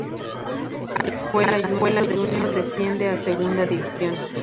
Alajuela Júnior desciende a Segunda División.